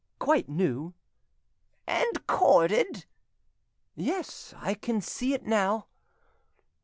"Quite new." "And corded?" "Yes, I can see it now."